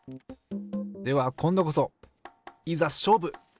では今度こそいざ勝負！